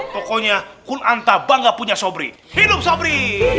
pokoknya kun anta bangga punya sobri hidup sobri